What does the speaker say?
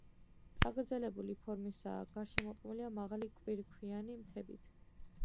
წაგრძელებული ფორმისაა, გარშემორტყმულია მაღალი კირქვიანი მთებით.